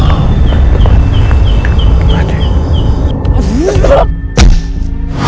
adalah berhasd sh